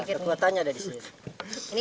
iya kekuatannya ada disini